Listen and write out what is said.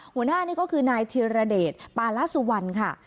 หัวหน้านี่ก็คือนายธิรเดชปาละสุวรรณค่ะ